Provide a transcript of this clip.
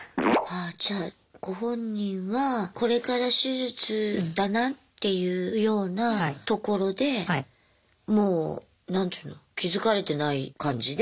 ああじゃあご本人はこれから手術だなっていうようなところでもう何ていうの気付かれてない感じで。